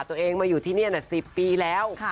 ตัวเองมาอยู่ที่นี่๑๐ปีแล้ว